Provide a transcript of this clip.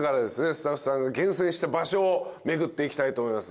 スタッフさんが厳選した場所を巡っていきたいと思います。